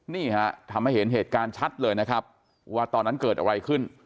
นี่ฮะทำให้เห็นเหตุการณ์ชัดเลยนะครับว่าตอนนั้นเกิดอะไรขึ้น